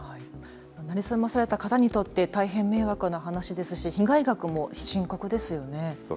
成り済まされた方にとって大変迷惑な話ですし被害額も深刻ですよね。